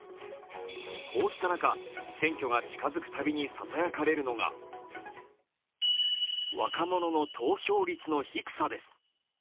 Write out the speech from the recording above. こうした中、選挙が近づくたびにささやかれるのが若者の投票率の低さです。